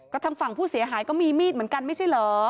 ก็ทางฝั่งผู้เสียหายก็มีมีดเหมือนกันไม่ใช่เหรอ